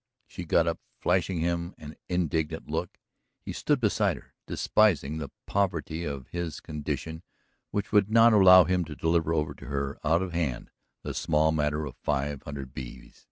She got up, flashing him an indignant look. He stood beside her, despising the poverty of his condition which would not allow him to deliver over to her, out of hand, the small matter of five hundred beeves.